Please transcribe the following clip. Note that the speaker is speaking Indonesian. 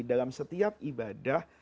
dalam setiap ibadah